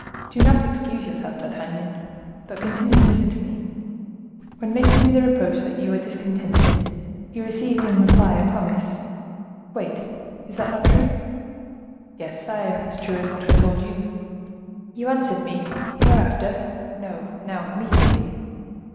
"Do not excuse yourself, D'Artagnan, but continue to listen to me. When making me the reproach that you were discontented, you received in reply a promise:—'Wait.'—Is that not true?" "Yes, sire, as true as what I told you." "You answered me, 'Hereafter! No, now, immediately.